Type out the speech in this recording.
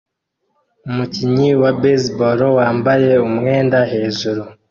Umukinnyi wa baseball wambaye umwenda hejuru